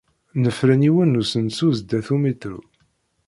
Nefren yiwen n usensu sdat umiṭru.